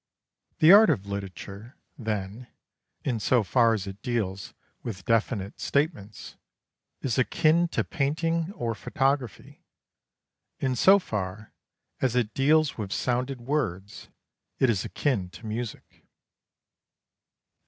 The art of literature, then, in so far as it deals with definite statements, is akin to painting or photography: in so far as it deals with sounded words, it is akin to music.